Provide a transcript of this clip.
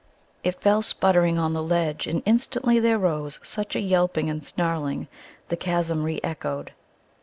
It fell sputtering on the ledge, and instantly there rose such a yelping and snarling the chasm re echoed.